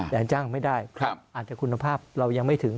แต่จ้างไม่ได้อาจจะคุณภาพเรายังไม่ถึง